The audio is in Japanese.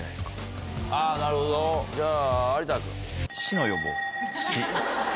なるほどじゃあ有田君。